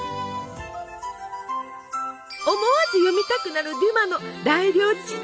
思わず読みたくなるデュマの「大料理事典」。